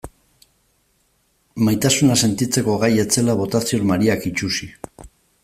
Maitasuna sentitzeko gai ez zela bota zion Mariak itsusi.